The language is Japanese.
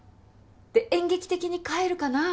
で演劇的に帰るかな？